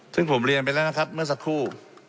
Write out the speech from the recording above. ซึ่งผมเรียนไปแล้วนะครับเมื่อสักครู่